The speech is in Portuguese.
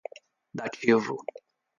dativo